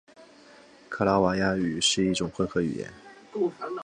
卡拉瓦亚语是一种混合语言。